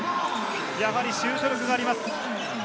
やはりシュート力があります。